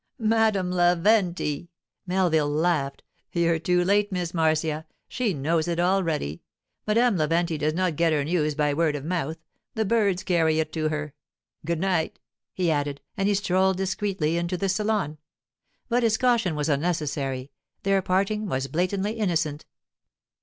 'Madame Laventi!' Melville laughed. 'You're too late, Miss Marcia. She knows it already. Madame Laventi does not get her news by word of mouth; the birds carry it to her. Good night,' he added, and he strolled discreetly into the salon. But his caution was unnecessary; their parting was blatantly innocent.